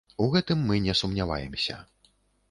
У гэтым мы не сумняваемся.